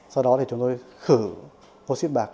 sau đó thì chúng tôi khử oxy bạc